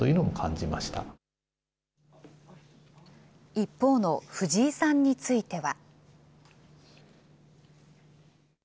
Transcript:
一方の藤井さんについては。